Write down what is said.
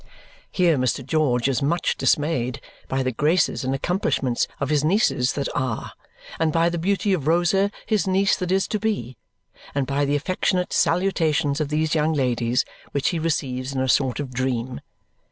Here Mr. George is much dismayed by the graces and accomplishments of his nieces that are and by the beauty of Rosa, his niece that is to be, and by the affectionate salutations of these young ladies, which he receives in a sort of dream.